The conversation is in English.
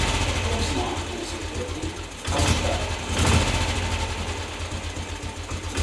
"Of course not," answered Dorothy; "how should I?"